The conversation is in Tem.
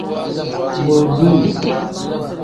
Boduu.